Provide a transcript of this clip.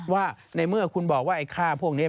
ว่าในเมื่อคุณบอกว่าไอ้ค่าพวกนี้